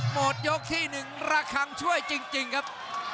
โอ้โหมดยกที่หนึ่งราคังช่วยจริงครับ